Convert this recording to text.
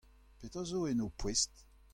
Petra zo en ho poest ?